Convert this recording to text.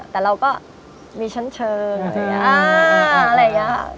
แต่เราก็มีช้ายเรื่องคือฉันเชิด